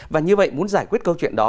và như vậy muốn giải quyết câu chuyện đó